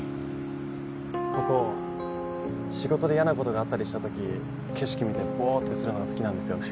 ここ仕事で嫌なことがあったりしたとき景色見てボーってするのが好きなんですよね。